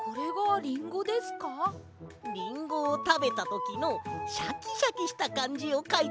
リンゴをたべたときのシャキシャキしたかんじをかいたんだ！